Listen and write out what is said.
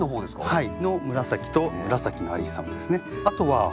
はい。